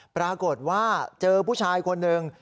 ปรากฏว่าเจอผู้ชายคนหนึ่ง